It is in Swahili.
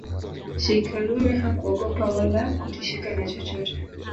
Sheikh karume hakuogopa wala kutishika na chochote